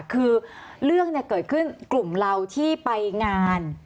คือเรื่องเกิดขึ้นกลุ่มเราที่ไปงาน